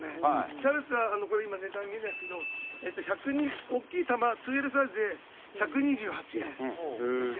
キャベツは、これ、今、値段見えないですけど、大きいたま、２Ｌサイズで１２８円ですね。